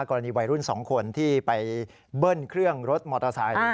กรณีวัยรุ่น๒คนที่ไปเบิ้ลเครื่องรถมอเตอร์ไซค์